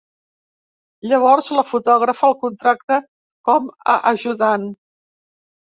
Llavors, la fotògrafa el contracta com a ajudant.